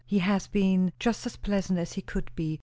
He has been just as pleasant as he could be.